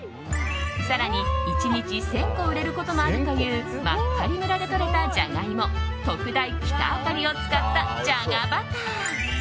更に、１日１０００個売れることもあるという真狩村でとれたジャガイモ特大キタアカリを使ったじゃがバター。